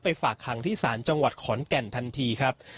ฝากคังที่ศาลจังหวัดขอนแก่นทันทีครับ